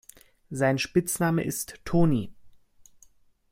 Sein Spitzname ist „Toni“.